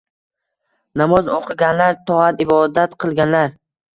Namoz o‘qiganlar. Toat-ibodat qilganlar.